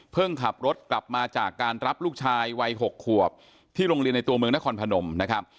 ขับรถกลับมาจากการรับลูกชายวัย๖ขวบที่โรงเรียนในตัวเมืองนครพนมนะครับ